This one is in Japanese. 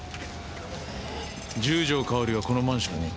十条かおりはこのマンションに？